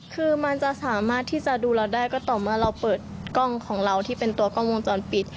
คือมันจะสามารถที่จะดูเราได้ก็ต่อเมื่อเราเปิดกล้องของเราที่เป็นตัวกล้องวงจรปิด